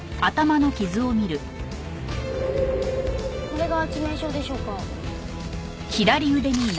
これが致命傷でしょうか？